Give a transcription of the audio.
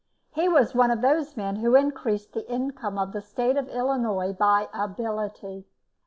He was one of those men who increased the income of the State of Illinois by ability.